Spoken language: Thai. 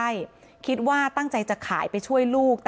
เกี่ยวข้องกับยาเสพติดจริงเหตุการณ์ที่เกิดขึ้นนี้